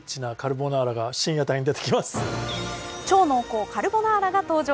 超濃厚カルボナーラが登場